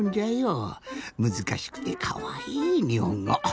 むずかしくてかわいいにほんご。